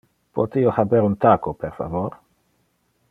Pote io haber un taco, per favor.